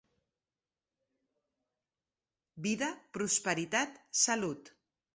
Vida, prosperitat, salut.